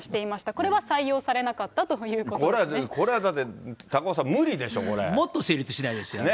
これは採用されなかったというここれはだって、高岡さん、無もっと成立しないですよね。